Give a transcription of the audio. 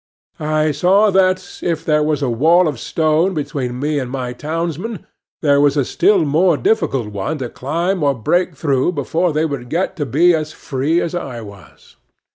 I saw that, if there was a wall of stone between me and my townsmen, there was a still more difficult one to climb or break through, before they could get to be as free as I was.